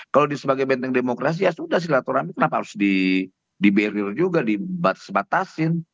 kalau sebagai benteng demokrasi ya sudah silaturahmi kenapa harus di barrier juga dibatas batasin